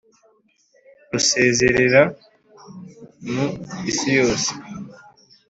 ruzerera mu isi yose